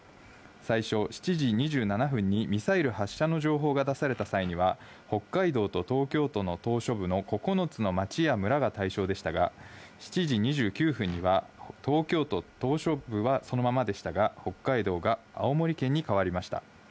最初、７時２７分にミサイル発射の情報が出された際には、北海道と東京都の島しょ部の９つの町や村が対象でしたが、７時２９分には、東京都島しょ部はそのままでしたが、北海道が青森県に変わりました。